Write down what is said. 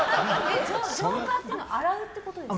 浄化っていうのは洗うってことですか？